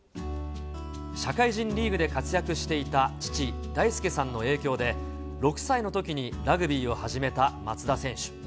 社会人リーグで活躍していた父、大輔さんの影響で、６歳のときにラグビーを始めた松田選手。